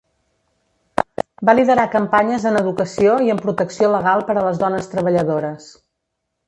Va liderar campanyes en educació i en protecció legal per a les dones treballadores.